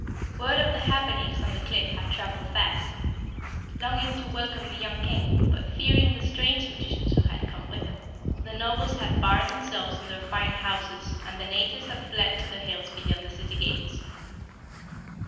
Word of the happenings on the cliff had traveled fast. Longing to welcome the young King, but fearing the strange magicians who had come with him, the Nobles had barred themselves in their fine houses and the natives had fled to the hills beyond the city gates.